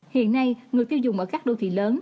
hiện nay người tiêu dùng ở các đô thị lớn